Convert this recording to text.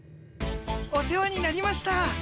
お世話になりました。